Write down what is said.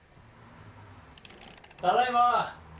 ・ただいま。